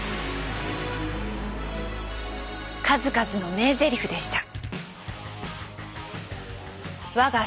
数々の名ゼリフでした。